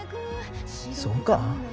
そうか？